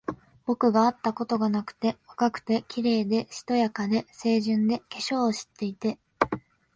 僕があったことがなくて、若くて、綺麗で、しとやかで、清純で、化粧を知っていて、